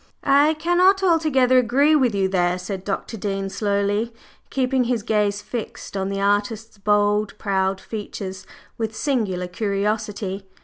"I cannot altogether agree with you there," said Dr. Dean slowly, keeping his gaze fixed on the artist's bold, proud features with singular curiosity.